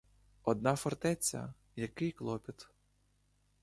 Одна фортеця — який клопіт!